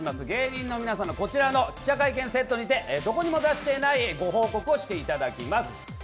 芸人の皆さんがこちらの記者会見セットにてどちらにも出してないご報告をしていただきます。